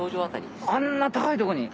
あんな高いとこに？